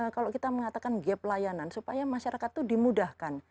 kalau kita mengatakan gap layanan supaya masyarakat itu dimudahkan